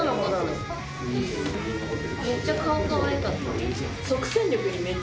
めっちゃ顔かわいかった。